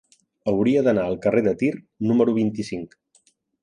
Hauria d'anar al carrer de Tir número vint-i-cinc.